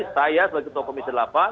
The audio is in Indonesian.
saya sebagai ketua komisi delapan